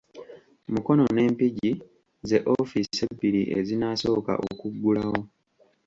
Mukono ne Mpigi ze ofiisi ebbiri ezinaasooka okuggulawo.